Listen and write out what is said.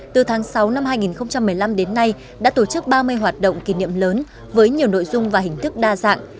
từ tháng sáu năm hai nghìn một mươi năm đến nay đã tổ chức ba mươi hoạt động kỷ niệm lớn với nhiều nội dung và hình thức đa dạng